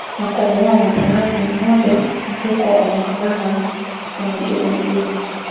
na kumuuwa muandamanaji mmoja huko Omdurman na mwingine mjini